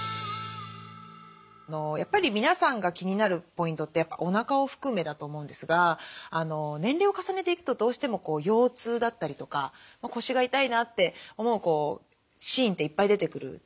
やっぱり皆さんが気になるポイントってやっぱおなかを含めだと思うんですが年齢を重ねていくとどうしても腰痛だったりとか腰が痛いなって思うシーンっていっぱい出てくると思うんですね。